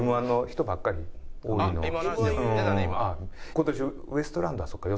今年ウエストランドはそうかよ